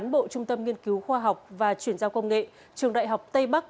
bộ trung tâm nghiên cứu khoa học và chuyển giao công nghệ trường đại học tây bắc